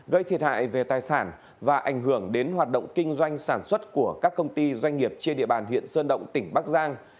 gây thiệt hại về tài sản và ảnh hưởng đến hoạt động kinh doanh sản xuất của các công ty doanh nghiệp trên địa bàn huyện sơn động tỉnh bắc giang